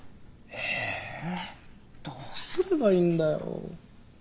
えどうすればいいんだよ。